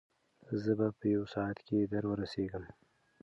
زه به په یو ساعت کې در ورسېږم.